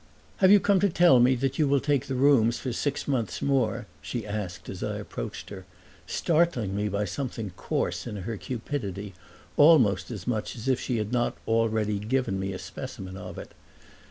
"Have you come to tell me that you will take the rooms for six months more?" she asked as I approached her, startling me by something coarse in her cupidity almost as much as if she had not already given me a specimen of it.